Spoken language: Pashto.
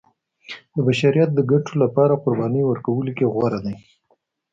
د بشریت د ګټو لپاره قربانۍ ورکولو کې غوره دی.